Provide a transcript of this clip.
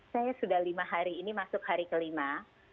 saya sudah lima hari ini masuk hari kelima